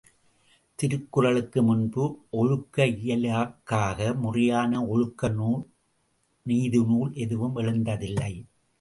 திருக்குறளுக்கு முன்பு, ஒழுக்க இயலுக்காக முறையான ஒழுக்க நூல் நீதி நூல் எதுவும் எழுந்ததில்லை.